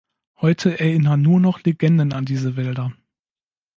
Heute erinnern nur noch Legenden an diese Wälder.